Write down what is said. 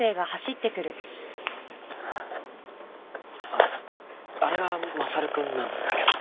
ああれがマサル君なんだけど。